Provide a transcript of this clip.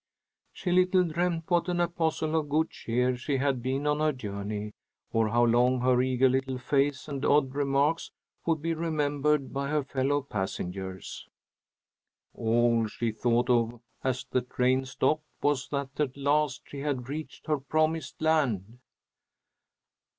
She little dreamed what an apostle of good cheer she had been on her journey, or how long her eager little face and odd remarks would be remembered by her fellow passengers. All she thought of as the train stopped was that at last she had reached her promised land.